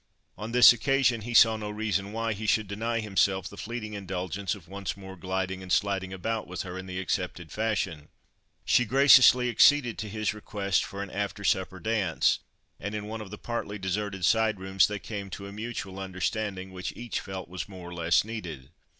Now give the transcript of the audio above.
On this occasion, he saw no reason why he should deny himself the fleeting indulgence of once more gliding and sliding about with her in the accepted fashion. She graciously acceded to his request for an after supper dance, and in one of the partly deserted side rooms they came to a mutual understanding, which each felt was more or less needed.